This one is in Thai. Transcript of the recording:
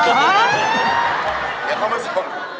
เดี๋ยวเขามาส่ง